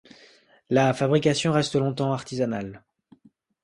La fabrication reste longtemps artisanale.